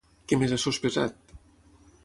Què més ha sospesat?